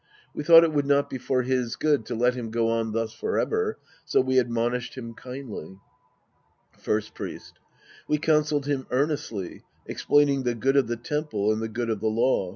We thought it would not be for his good to let him go on thus for ever, so we admonished him kindly. First Priest. We counseled him earnestly, explain ing the good of the temple and the good of the law.